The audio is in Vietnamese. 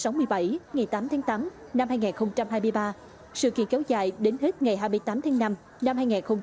ngày tám tháng tám năm hai nghìn hai mươi ba sự kiện kéo dài đến hết ngày hai mươi tám tháng năm năm hai nghìn hai mươi bốn